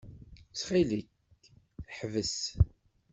Ttxil-k, ḥbes.